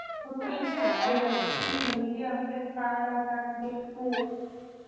متحدو ایالتونو د ملي امنیت په اړه د اندېښنو